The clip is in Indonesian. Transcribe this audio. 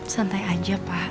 santai aja pak